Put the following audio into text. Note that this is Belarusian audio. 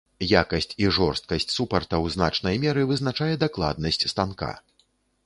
Якасць і жорсткасць супарта ў значнай меры вызначае дакладнасць станка.